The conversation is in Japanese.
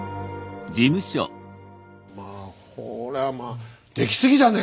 まあこれはまあできすぎだね！